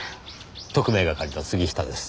特命係の杉下です。